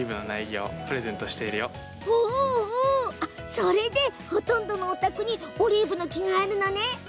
それでほとんどのお宅にオリーブの木があるのね。